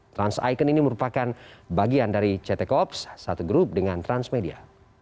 trans icon ini merupakan bagian dari ct corps satu grup dengan transmedia